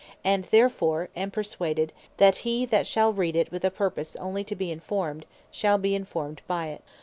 And therefore am perswaded, that he that shall read it with a purpose onely to be informed, shall be informed by it.